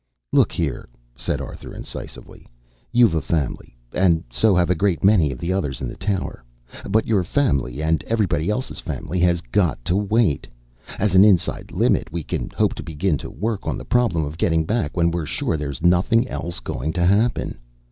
"Look here," said Arthur incisively. "You've a family, and so have a great many of the others in the tower, but your family and everybody else's family has got to wait. As an inside limit, we can hope to begin to work on the problem of getting back when we're sure there's nothing else going to happen.